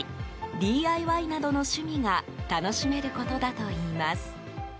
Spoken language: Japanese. ＤＩＹなどの趣味が楽しめることだといいます。